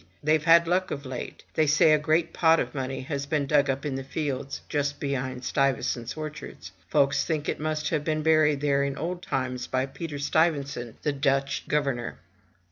TheyVe had luck of late. They say a great pot of money has been dug up in the fields, just behind Stuy vesant*s orchard. Folks think it must have been buried there in old times, by Peter Stuy vesant, the Dutch governor.